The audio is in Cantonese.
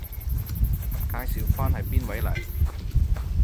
介紹返係邊位嚟？